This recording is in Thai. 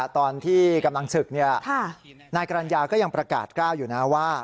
ตอนที่กำลังศึกนายกรรณญาก็ยังประกาศก้าวอยู่นะว่า